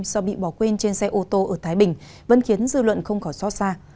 do bị bỏ quên trên xe ô tô ở thái bình vẫn khiến dư luận không khỏi xót xa